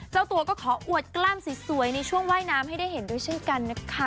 เจ้าตัวก็ขออวดกล้ามสวยในช่วงว่ายน้ำให้ได้เห็นด้วยเช่นกันนะคะ